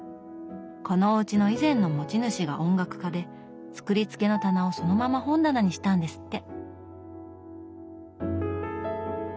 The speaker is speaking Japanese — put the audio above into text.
このおうちの以前の持ち主が音楽家で作りつけの棚をそのまま本棚にしたんですって。